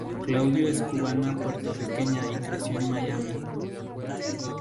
Claudio es cubana-portorriqueña y creció en Miami.